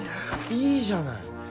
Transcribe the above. いいじゃない！